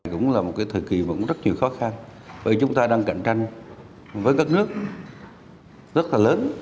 cũng là một thời kỳ rất nhiều khó khăn vì chúng ta đang cạnh tranh với các nước rất là lớn